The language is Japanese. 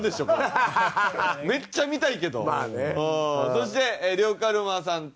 そして呂布カルマさんと＃